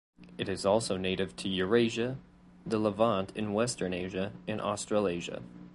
It is also native to Eurasia, the Levant in Western Asia, and Australasia.